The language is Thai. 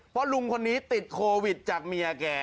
เพราะลุงคนนี้ติดโควิดจากเมียแก